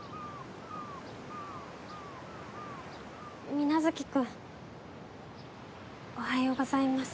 皆月君おはようございます。